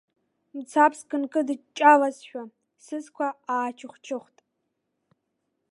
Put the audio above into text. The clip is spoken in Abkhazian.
Мцабзк нкыдыҷҷалазшәа, сызқәа аачыхә-чыхәт.